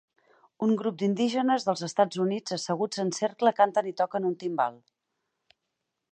Un grup d'indígenes dels Estats Units asseguts en cercle canten i toquen un timbal.